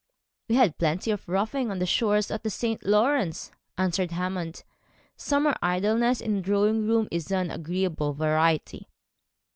'We had plenty of roughing on the shores of the St. Lawrence,' answered Hammond. 'Summer idleness in a drawing room is an agreeable variety.'